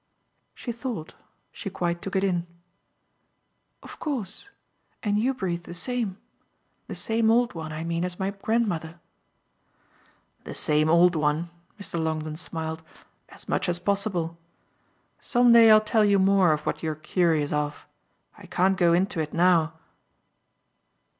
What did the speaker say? She thought she quite took it in. "Of course. And you breathe the same the same old one, I mean, as my grandmother." "The same old one," Mr. Longdon smiled, "as much as possible. Some day I'll tell you more of what you're curious of. I can't go into it now."